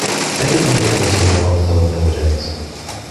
Everybody carries a mobile phone nowadays